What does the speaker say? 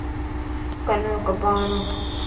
ڪنم ڪپاھڻ